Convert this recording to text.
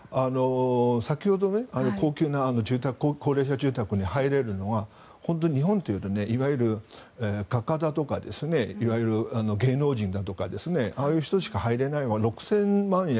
先ほど高級な高齢者住宅に入れるのは本当に日本でいうといわゆる芸能人だとかああいう人しか入れない６０００万円。